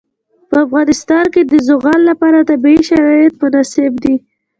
په افغانستان کې د زغال لپاره طبیعي شرایط مناسب دي.